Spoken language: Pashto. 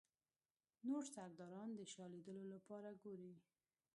نور سرداران د شاه لیدلو لپاره ګوري.